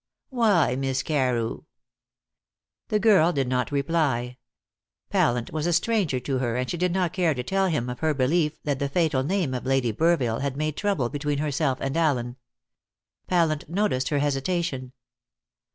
"Why, Miss Carew?" The girl did not reply. Pallant was a stranger to her, and she did not care to tell him of her belief that the fatal name of Lady Burville had made trouble between herself and Allen. Pallant noticed her hesitation.